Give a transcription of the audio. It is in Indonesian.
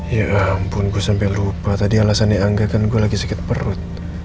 ya ampun gue sampai lupa tadi alasannya angga kan gue lagi sakit perut